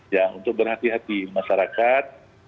ya untuk berhati hati masyarakat